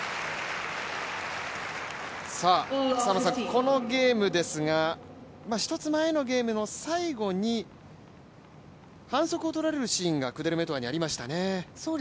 このゲームですが、１つ前のゲームの最後に反則を取られるシーンがクデルメトワにありましたね。